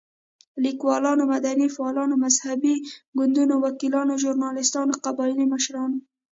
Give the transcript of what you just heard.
ليکوالانو، مدني فعالانو، مذهبي ګوندونو، وکيلانو، ژورناليستانو، قبايلي مشرانو